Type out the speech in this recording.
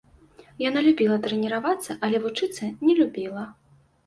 Яна любіла трэніравацца, але вучыцца не любіла.